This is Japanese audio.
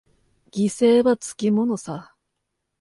犠牲はつきものさ。